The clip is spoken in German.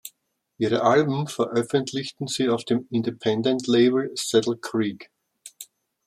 Ihre Alben veröffentlichen sie auf dem Independent-Label Saddle Creek.